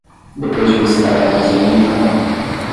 Depois de visitar o armazém e o canal